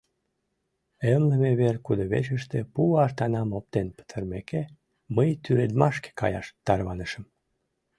Эмлыме вер кудывечыште пу артанам оптен пытарымеке, мый тӱредмашке каяш тарванышым.